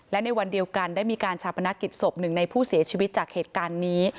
และในวันเดียวกันได้มีการชาปนกิจศพหนึ่งในผู้เสียชีวิตจากเหตุการณ์นี้